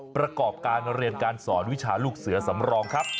ประกอบการเรียนการสอนวิชาลูกเสือสำรองครับ